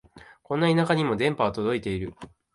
こんな田舎にも電波は届いてる